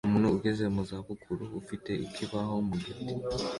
Umuntu ugeze mu za bukuru ufite ikibaho mu giti